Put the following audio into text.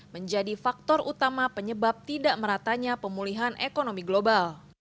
menjadi faktor utama penyebab tidak meratanya pemulihan ekonomi global